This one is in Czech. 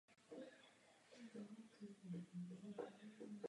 S fotbalem začínal v domovském Berouně.